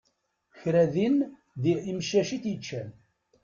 Kra din d imcac i t-yeččan.